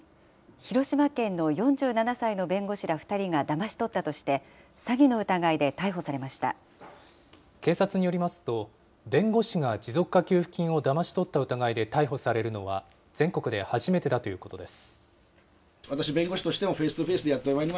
広島県の４７歳の弁護士ら２人がだまし取ったとして、詐欺の疑い警察によりますと、弁護士が持続化給付金をだまし取った疑いで逮捕されるのは、全国で初めてだということです。